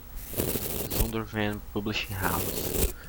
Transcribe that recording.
Zondervan Publishing House.